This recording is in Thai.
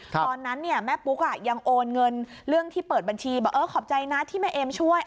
ตอนนั้นแม่ปุ๊กยังโอนเงินเรื่องที่เปิดบัญชีบอกเออขอบใจนะที่แม่เอ็มช่วย